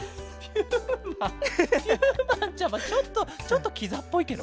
ピューマンピューマンちゃまちょっとちょっとキザっぽいケロ。